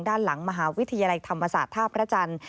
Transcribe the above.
ด้านหลังมหาวิทยาลัยธรรมศาสตร์ท่าพระจันทร์